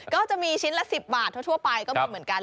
ก็จะมีชิ้นละ๑๐บาททั่วไปก็มีเหมือนกัน